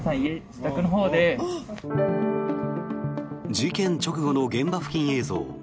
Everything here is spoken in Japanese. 事件直後の現場付近映像。